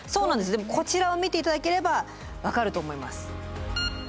こちらを見ていただければ分かると思います。